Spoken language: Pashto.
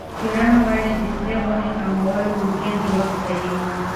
څېړنه وايي چې د سرې غوښې کمول ممکن د وخت ضایع وي.